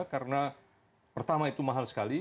karena pertama itu mahal sekali